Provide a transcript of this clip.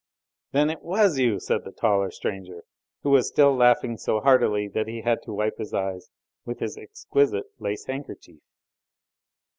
"Then it WAS you!" said the taller stranger, who was still laughing so heartily that he had to wipe his eyes with his exquisite lace handkerchief.